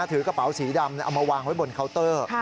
ถือกระเป๋าสีดำเอามาวางไว้บนเคาน์เตอร์